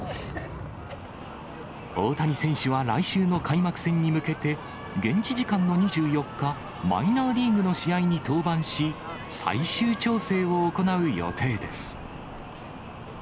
大谷選手は来週の開幕戦に向けて、現地時間の２４日、マイナーリーグの試合に登板し、最終調整を行う予定です。